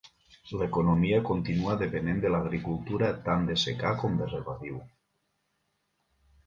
L'economia continua depenent de l'agricultura tant de secà com de regadiu.